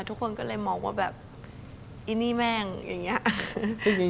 ทุกคนก็เลยมองว่าแบบพวกนี้